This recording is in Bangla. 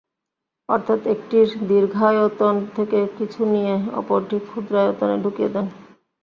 অর্থাৎ একটির দীর্ঘায়তন থেকে কিছু নিয়ে অপরটি ক্ষুদ্রায়তনে ঢুকিয়ে দেন।